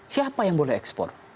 siapa yang boleh ekspor